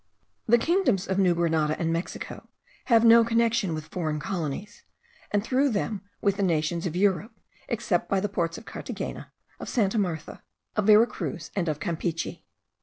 The kingdoms of New Grenada and Mexico have no connection with foreign colonies, and through them with the nations of Europe, except by the ports of Carthagena, of Santa Martha, of Vera Cruz, and of Campeachy.